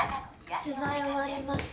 取材終わりました